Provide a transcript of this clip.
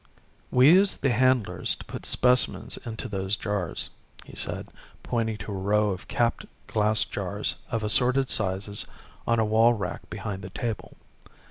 "We use the handlers to put specimens into those jars," he said, pointing to a row of capped glass jars of assorted sizes on a wall rack behind the table.